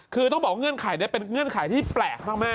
คือต้องบอกเงื่อนไขนี้เป็นเงื่อนไขที่แปลกมาก